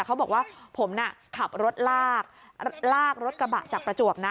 เขาบอกว่าผมน่ะขับรถลากลากรถกระบะจากประจวบนะ